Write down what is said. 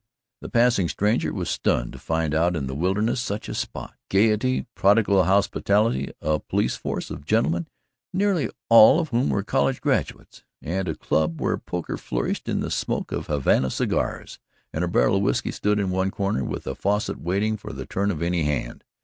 The passing stranger was stunned to find out in the wilderness such a spot; gayety, prodigal hospitality, a police force of gentlemen nearly all of whom were college graduates and a club, where poker flourished in the smoke of Havana cigars, and a barrel of whiskey stood in one corner with a faucet waiting for the turn of any hand.